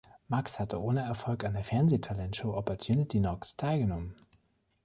Max hatte ohne Erfolg an der Fernseh-Talentshow "Opportunity Knocks" teilgenommen.